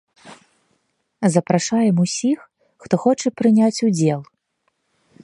Запрашаем усіх, хто хоча прыняць удзел.